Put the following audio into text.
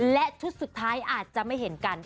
และชุดสุดท้ายอาจจะไม่เห็นกัน